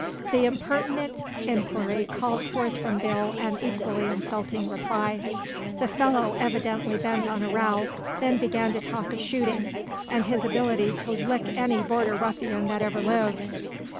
The impertinent inquiry called forth from Bill an equally insulting reply. The fellow, evidently bent on a row, then began to talk of shooting, and his ability "to lick any border ruffian that ever lived."